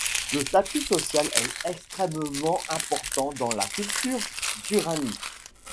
Le statut social est extrêmement important dans la culture tsurani.